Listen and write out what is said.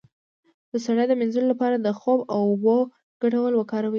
د ستړیا د مینځلو لپاره د خوب او اوبو ګډول وکاروئ